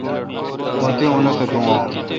مہ تی انت دوم اں